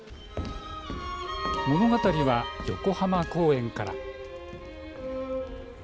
物語は横浜公園から。